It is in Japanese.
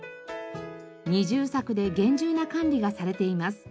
二重柵で厳重な管理がされています。